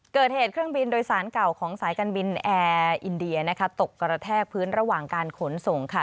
เกิดเหตุเครื่องบินโดยสารเก่าของสายการบินแอร์อินเดียนะคะตกกระแทกพื้นระหว่างการขนส่งค่ะ